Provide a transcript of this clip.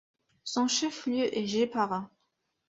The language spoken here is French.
Son chef-lieu est Jepara.